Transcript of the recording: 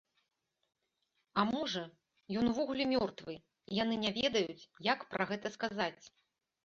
А можа, ён увогуле мёртвы, і яны не ведаюць, як пра гэта сказаць.